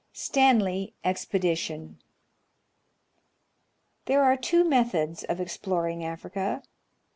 Stanley Expedition. There are two methods of exploring Africa.